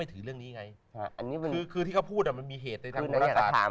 ศีลแดงนี่เป็นเพราะดังเกิดวันจันทร์